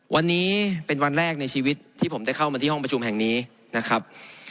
วันนี้เป็นวันแรกในชีวิตที่ผมได้เข้ามาที่ห้องประชุมแห่งนี้นะครับ